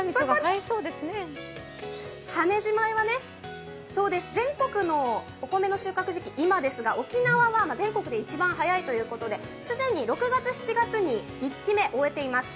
羽地米は全国のお米の収穫時期、今ですが沖縄は全国で一番早いということで既に６月、７月に１期目が終えています。